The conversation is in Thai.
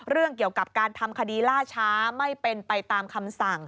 เรื่องเกี่ยวกับการทำคดีล่าช้าไม่เป็นไปตามคำสั่ง